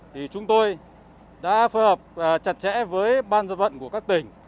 thì chúng tôi đã phù hợp chặt chẽ với ban do vận của các tỉnh